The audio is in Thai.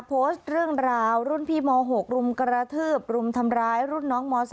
โพสต์เรื่องราวรุ่นพี่ม๖รุมกระทืบรุมทำร้ายรุ่นน้องม๒